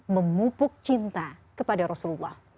memupuk cinta kepada rasulullah